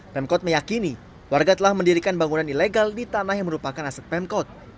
pemkot meyakini warga telah mendirikan bangunan ilegal di tanah yang merupakan aset pemkot